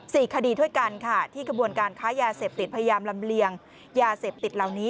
คดีด้วยกันค่ะที่กระบวนการค้ายาเสพติดพยายามลำเลียงยาเสพติดเหล่านี้